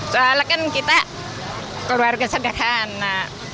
soalnya kan kita keluarga sederhana